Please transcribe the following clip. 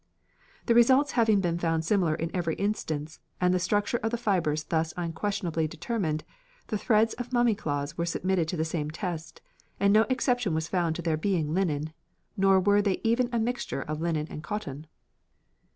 The results having been found similar in every instance, and the structure of the fibres thus unquestionably determined, the threads of mummy cloths were submitted to the same test, and no exception was found to their being linen, nor were they even a mixture of linen and cotton."